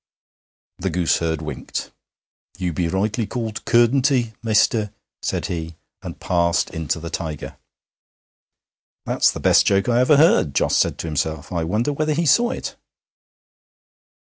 The gooseherd winked. 'You be rightly called "Curtenty," mester,' said he, and passed into the Tiger. 'That's the best joke I ever heard,' Jos said to himself 'I wonder whether he saw it.'